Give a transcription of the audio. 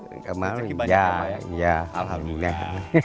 itu masih banyak ya alhamdulillah